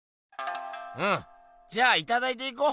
うんじゃあいただいていこう。